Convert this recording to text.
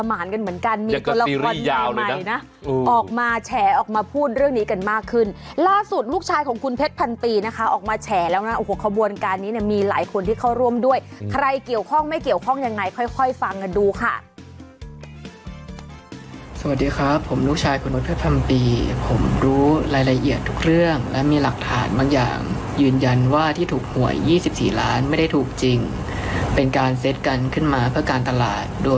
ไปสิไปดำเนินคดีต่อที่สาร